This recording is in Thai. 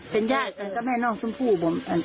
เป็นญาติกันกับแม่น้องชมพู่บอก